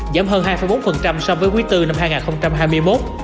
giảm hơn hai bốn so với quý iv năm hai nghìn hai mươi một